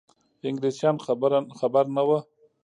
انګلیسیان خبر نه وه.